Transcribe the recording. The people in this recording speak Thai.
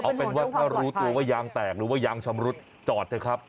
เอาเป็นว่าถ้ารู้ตัวว่ายางแตกหรือว่ายางชำรุดจอดเถอะครับ